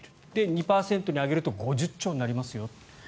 ２％に上げると５０兆円になりますよ。